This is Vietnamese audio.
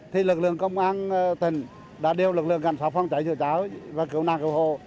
thì lực lượng công an tỉnh đã đều lực lượng cảnh sát phòng chống bão lột và cứu nàng cứu hồ